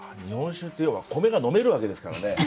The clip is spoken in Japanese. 日本酒って要は米が飲めるわけですからね。